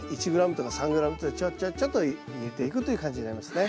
１ｇとか３ｇずつちょっちょっちょと入れていくという感じになりますね。